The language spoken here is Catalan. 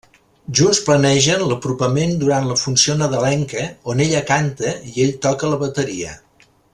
Junts planegen l'apropament durant la funció nadalenca, on ella canta i ell toca la bateria.